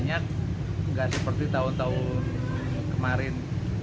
tidak seperti tahun tahun kemarin